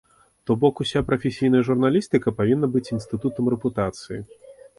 То бок, уся прафесійная журналістыка павінна быць інстытутам рэпутацыі.